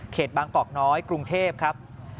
บางกอกน้อยกรุงเทพครับ